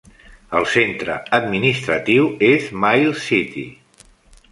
El centre administratiu es Miles City.